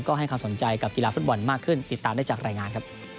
ก็ให้ความสนใจกับกีฬาฟุตบอลมากขึ้นติดตามได้จากรายงานครับ